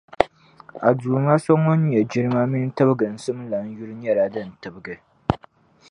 A Duuma So Ŋun nyɛ jilima mini tibiginsim lana yuli nyɛla din tibigi.